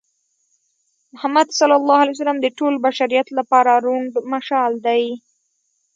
محمد ص د ټول بشریت لپاره روڼ مشال دی.